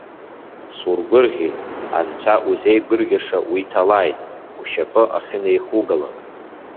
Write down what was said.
Сургәырӷьеит, анцәа узеигәырӷьаша уиҭалааит, ушьапы ахьынеихугалак!